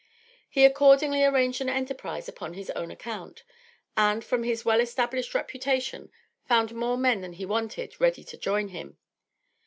He, accordingly, arranged an enterprise upon his own account; and, from his well established reputation, found more men than he wanted ready to join him.